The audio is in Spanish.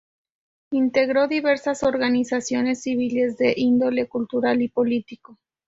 Integró diversas organizaciones civiles de índole cultural y político.